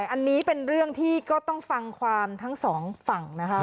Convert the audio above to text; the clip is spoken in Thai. อันนี้เป็นเรื่องที่ก็ต้องฟังความทั้งสองฝั่งนะคะ